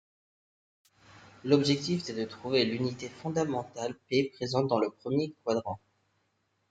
L'objectif est de trouver l'unité fondamentale ρ présente dans le premier quadrant.